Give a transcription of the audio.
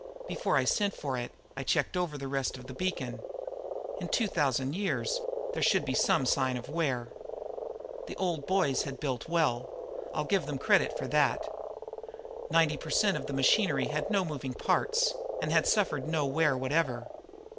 Before I sent for it, I checked over the rest of the beacon. In 2000 years, there should be some sign of wear. The old boys had built well, I'll give them credit for that. Ninety per cent of the machinery had no moving parts and had suffered no wear whatever.